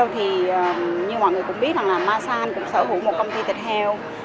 thì như mọi người cũng biết rằng là masan cũng sở hữu một công ty thịt heo